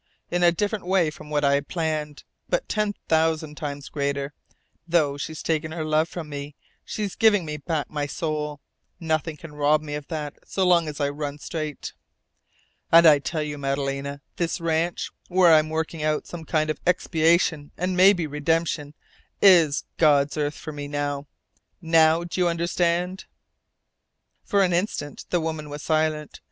In a different way from what I planned, but ten thousand times greater. Though she's taken her love from me, she's given me back my soul. Nothing can rob me of that so long as I run straight. "And I tell you, Madalena, this ranch, where I'm working out some kind of expiation and maybe redemption, is God's earth for me. Now do you understand?" For an instant the woman was silent.